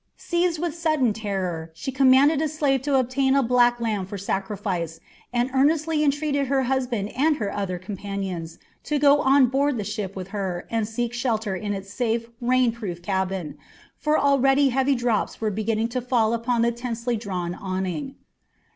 Seized with sudden terror, she commanded a slave to obtain a black lamb for a sacrifice, and earnestly entreated her husband and her other companions to go on board the ship with her and seek shelter in its safe, rain proof cabin, for already heavy drops were beginning to fall upon the tensely drawn awning.